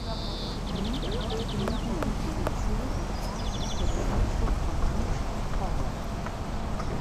Munch genügen Komposition und Farbe für den Ausdruck von Angst und Horror.